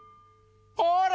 ほら！